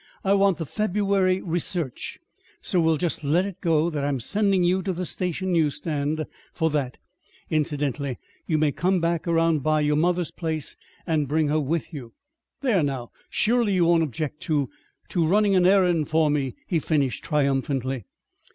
I want the February 'Research.' So we'll just let it go that I'm sending you to the station newsstand for that. Incidentally, you may come back around by your mother's place and bring her with you. There, now surely you won't object to to running an errand for me!" he finished triumphantly.